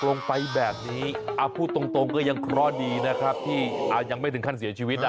ตกลงไปแบบนี้อ่ะพูดตรงก็ยังกล่อดีนะครับที่อ่ะยังไม่ถึงขั้นเสียชีวิตอ่ะ